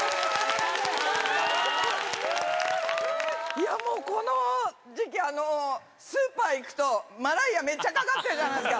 いや、もうこの時期、スーパー行くと、マライア、めっちゃかかってるじゃないですか。